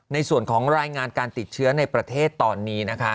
ในส่วนของรายงานการติดเชื้อในประเทศตอนนี้นะคะ